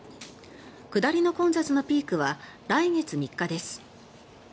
下りの混雑のピークは来月３日です。